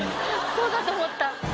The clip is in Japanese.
そうだと思った。